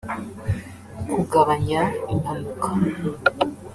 kugabanya impanuka